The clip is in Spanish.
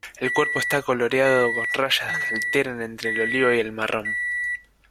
El cuerpo está coloreado con rayas que alternan entre el oliva y el marrón.